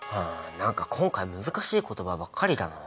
何か今回難しい言葉ばっかりだなあ。